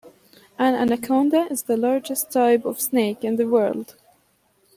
An anaconda is the largest type of snake in the world.